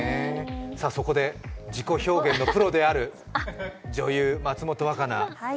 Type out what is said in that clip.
そこで自己表現のプロである女優・松本若菜。